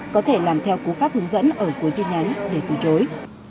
có thể làm theo cú pháp hướng dẫn ở cuối tin nhắn để từ chối